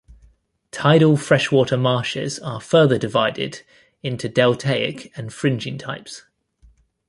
Tidal freshwater marshes are further divided into deltaic and fringing types.